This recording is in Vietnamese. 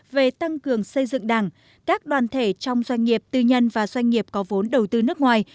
về tăng cường xây dựng đảng các đoàn thể trong doanh nghiệp tư nhân và doanh nghiệp có vốn đầu tư nước ngoài